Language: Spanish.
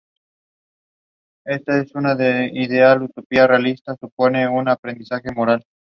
Martínez estaba en camino a graduarse con un bachillerato en Educación.